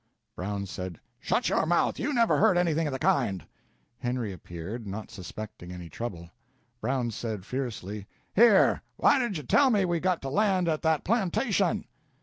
Brown said: "Shut your mouth! You never heard anything of the kind!" Henry appeared, not suspecting any trouble. Brown said, fiercely, "Here, why didn't you tell me we had got to land at that plantation?"